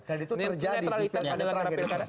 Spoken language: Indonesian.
dan itu terjadi di pilkada